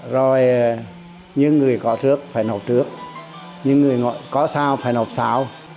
rồi những người có trước phải nộp trước những người có sau phải nộp sau